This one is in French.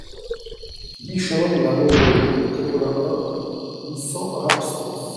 huit chemin de la Maurole, quatre-vingt-un, huit cents, Rabastens